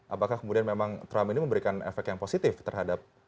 apakah kemudian memang trump ini memberikan efek yang positif terhadap